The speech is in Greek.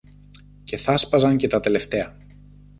και θα 'σπαζαν και τα τελευταία